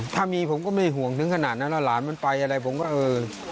ถ้ามีผมก็ไม่ห่วงถึงขนาดนั้นแล้วหลานมันไปอะไรผมก็เออ